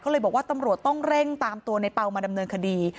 ก็เลยบอกว่าตำรวจต้องเร่งตามตัวในเปล่ามาดำเนินคดี